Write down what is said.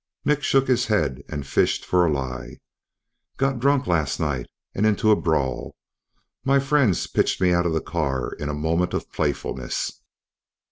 Nick shook his head and fished for a lie. "Got drunk last night and into a brawl. My friends pitched me out of the car in a moment of playfulness."